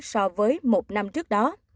so với một năm trước đó